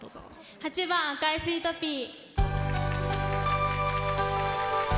８番「赤いスイートピー」。